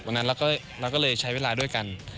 วันนั้นเราก็เลยใช้เวลาด้วยกัน